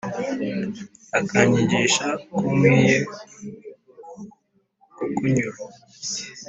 ukanyigisha uko nkwiye kukunyura.